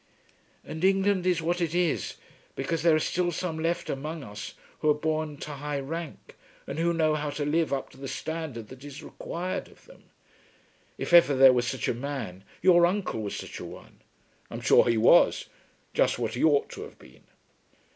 "And England is what it is because there are still some left among us who are born to high rank and who know how to live up to the standard that is required of them. If ever there was such a man, your uncle was such a one." "I'm sure he was; just what he ought to have been."